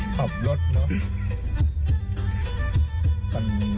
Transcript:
ขับรถเนอะ